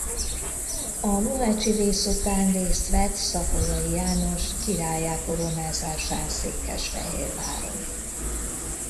A mohácsi vész után részt vett Szapolyai János királlyá koronázásán Székesfehérváron.